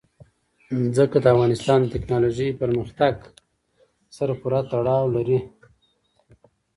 ځمکه د افغانستان د تکنالوژۍ پرمختګ سره پوره تړاو لري.